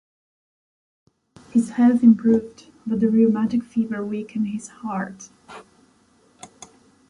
His health improved, but the rheumatic fever weakened his heart.